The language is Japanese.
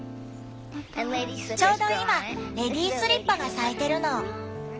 ちょうど今レディースリッパが咲いてるの。